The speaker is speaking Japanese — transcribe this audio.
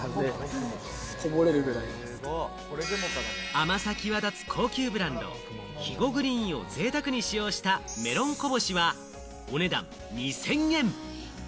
甘さ際立つ高級ブランド・肥後グリーンをぜいたくに使用したメロンこぼしは、お値段２０００円。